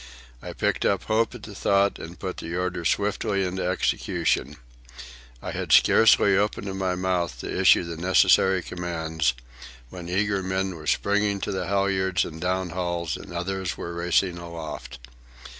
I picked up hope at the thought and put the order swiftly into execution. I had scarcely opened my mouth to issue the necessary commands, when eager men were springing to halyards and downhauls, and others were racing aloft.